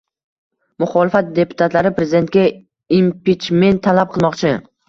Muxolifat deputatlari prezidentga impichment talab qilmoqchi